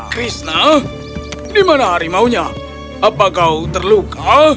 hah dimana harimau nya apa kau terluka